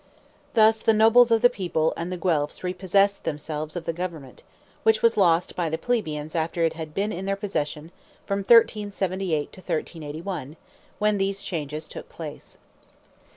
Thus the nobles of the people and the Guelphs repossessed themselves of the government, which was lost by the plebeians after it had been in their possession from 1378 to 1381, when these changes took place.